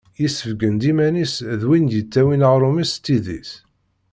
Yessebgen-d iman-is d win d-yettawin aɣrum-is s tidi-s.